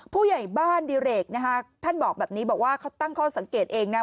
ผู้ใหญ่บ้านดิเรกนะคะท่านบอกแบบนี้บอกว่าเขาตั้งข้อสังเกตเองนะ